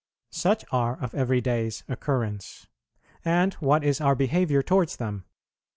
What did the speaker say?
Such are of every day's occurrence; and what is our behaviour towards them?